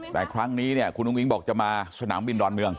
แต่ครั้งนี้เนี่ยคุณอุ้งบอกจะมาสนามบินดอนเมือง